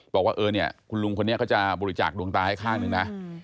บอกว่าเออเนี่ยคุณลุงคนนี้ก็จะบริจาคดวงตาให้ข้างหนึ่งนะ